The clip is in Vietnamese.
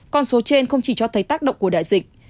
con số trên không chỉ cho thấy tác động của đại dịch